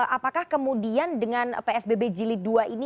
apakah kemudian dengan psbb jilid dua ini